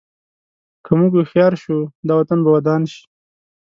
که موږ هوښیار شو، دا وطن به ودان شي.